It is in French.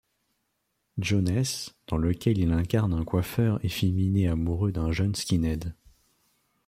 Jones, dans lequel il incarne un coiffeur efféminé amoureux d'un jeune skinhead.